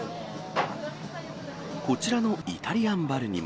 こちらのイタリアンバルにも。